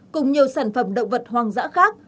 cùng nhiều sản phẩm động vật hoang dã khác